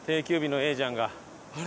あれ？